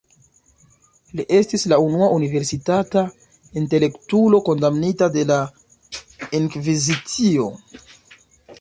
Li estis la unua universitata intelektulo kondamnita de la Inkvizicio.